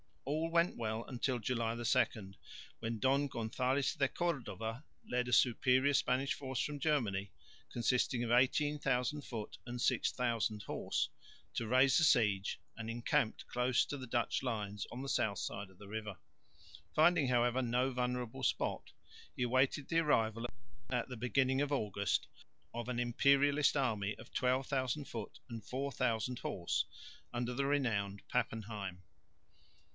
All went well until July 2, when Don Gonzales de Cordova led a superior Spanish force from Germany, consisting of 18,000 foot and 6000 horse, to raise the siege, and encamped close to the Dutch lines on the south side of the river. Finding however no vulnerable spot, he awaited the arrival at the beginning of August of an Imperialist army of 12,000 foot and 4000 horse, under the renowned Pappenheim.